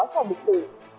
trong lịch sử